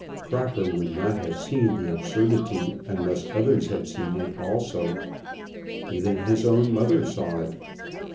Crocker would not have seen the absurdity unless others had seen it also. Even his own mother saw it.